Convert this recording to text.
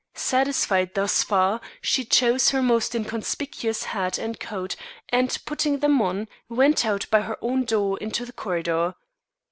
Satisfied thus far, she chose her most inconspicuous hat and coat, and putting them on, went out by her own door into the corridor.